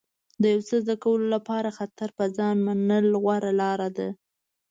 د یو څه زده کولو لپاره خطر په ځان منل غوره لاره ده.